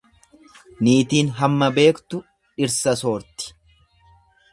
Niitiin hamma beektu dhirsa soorti.